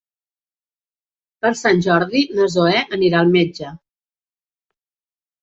Per Sant Jordi na Zoè anirà al metge.